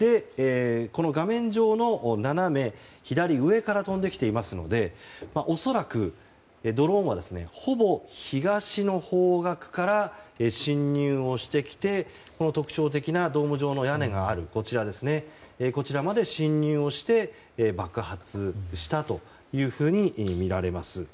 画面上の斜め左上から飛んできていますので恐らくドローンはほぼ東の方角から侵入をしてきて特徴的なドーム状の屋根があるこちらまで侵入して爆発したとみられます。